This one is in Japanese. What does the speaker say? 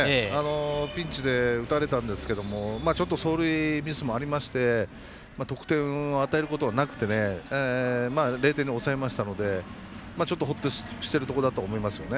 ピッチで打たれたんですけど走塁ミスもありまして得点を与えることなくて０点に抑えましたのでちょっとほっとしてるとこだと思います。